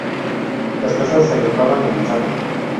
Las casas se agrupaban en manzanas.